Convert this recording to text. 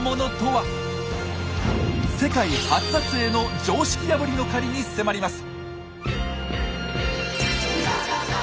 世界初撮影の常識破りの狩りに迫ります。